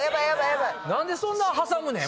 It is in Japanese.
何でそんな挟むねん。